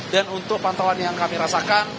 untuk pantauan yang kami rasakan